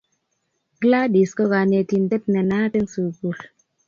Gladys ko kanetindet ne naat en sukul